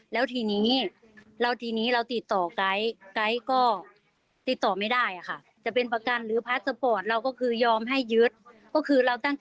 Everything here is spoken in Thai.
แล้วทีนี้เราติดต่อกไก๊ต์